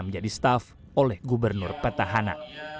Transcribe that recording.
menjadi staff oleh gubernur petahana